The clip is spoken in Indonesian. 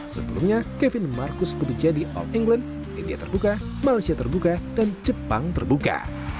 sebelumnya kevin marcus pun menjadi all england india terbuka malaysia terbuka dan jepang terbuka